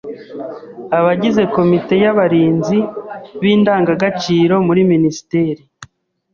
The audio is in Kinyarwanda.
Abagize komite y’abarinzi b’indangagaciro muri Minisiteri